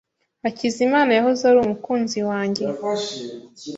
Hakizimana yahoze ari umukunzi wanjye.